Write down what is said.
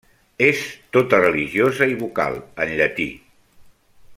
És tota religiosa i vocal, en llatí.